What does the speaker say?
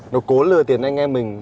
nó cố lừa tiền anh em mình